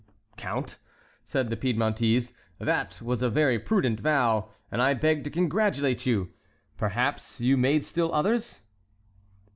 "Count," said the Piedmontese, "that was a very prudent vow, and I beg to congratulate you. Perhaps you made still others?"